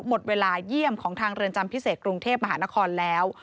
หมดเวลาเยี่ยมของทางเรือนจำพิเศษกรุงเทพมหานครแล้ว